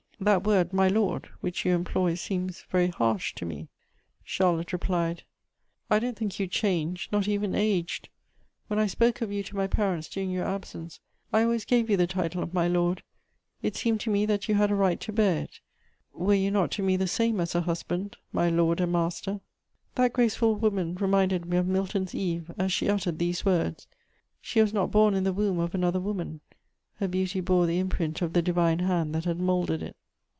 That word, 'my lord,' which you employ seems very harsh to me." Charlotte replied: "I don't think you changed, not even aged. When I spoke of you to my parents during your absence, I always gave you the title of 'my lord;' it seemed to me that you had a right to bear it: were you not to me the same as a husband, 'my lord and master'." [Sidenote: Sentimental memories.] That graceful woman reminded me of Milton's Eve, as she uttered these words: she was not born in the womb of another woman; her beauty bore the imprint of the divine hand that had moulded it.